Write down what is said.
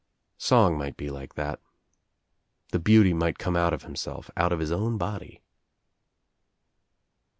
Song might be like that. The beauty might come out of himself, out of his own body.